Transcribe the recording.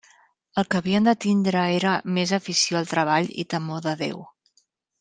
El que havien de tindre era més afició al treball i temor de Déu.